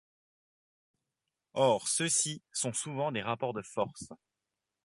Or ceux-ci sont souvent des rapports de force.